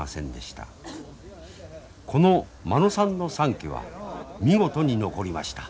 この間野さんの三色は見事に残りました。